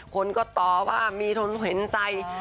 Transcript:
คนก็ตอบว่ามีทนเห็นใจ